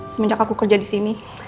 semenjak aku kerja di sini